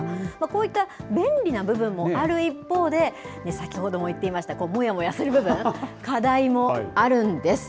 こういった便利な部分もある一方で、先ほども言っていました、もやもやする部分、課題もあるんです。